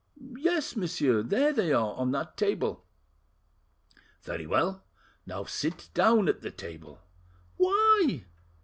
"Yes, monsieur; there they are, on that table." "Very well. Now sit down at the table." "Why?"